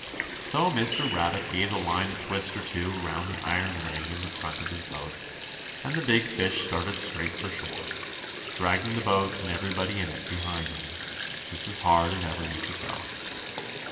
So Mr. Rabbit gave the line a twist or two around the iron ring in the front of his boat, and the big fish started straight for shore, dragging the boat and everybody in it behind him, just as hard as ever he could go.